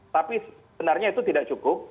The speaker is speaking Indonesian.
tapi sebenarnya itu tidak cukup